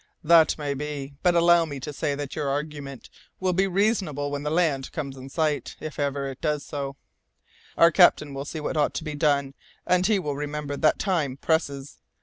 "That may be, but allow me to say that your argument will be reasonable when the land comes in sight, if it ever does so. Our captain will see what ought to be done, and he will remember that time presses.